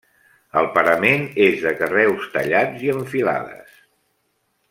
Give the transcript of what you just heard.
El parament és de carreus tallats i en filades.